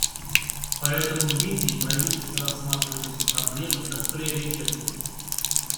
Поэтому в Индии правительство рассматривает эти проблемы как приоритетные.